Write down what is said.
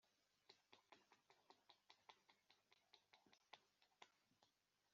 igihe yesu yasabaga petero na bagenzi be kumukurikira, bahise basiga amato yabo n’inshundura zabo